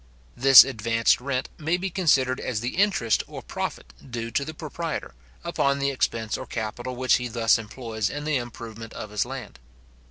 This advanced rent may be considered as the interest or profit due to the proprietor, upon the expense or capital which he thus employs in the improvement of his land.